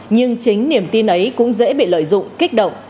nhưng chính niềm tin ấy cũng dễ bị lợi dụng kích động